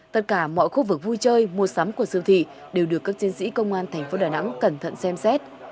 tất cả mọi khu vực vui chơi mua sắm của siêu thị đều được các chiến sĩ công an thành phố đà nẵng cẩn thận xem xét